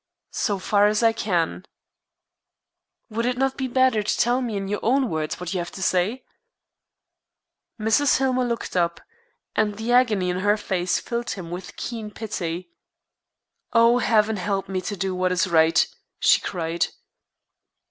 "So far as I can." "Would it not be better to tell me in your own words what you have to say?" Mrs. Hillmer looked up, and the agony in her face filled him with keen pity. "Oh, Heaven help me to do what is right!" she cried.